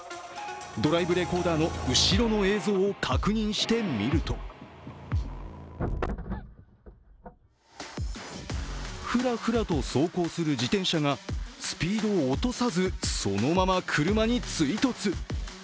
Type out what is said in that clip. ドライブレコーダーの後ろの映像を確認してみるとふらふらと走行する自転車がスピードを落とさず、そのまま車に追突。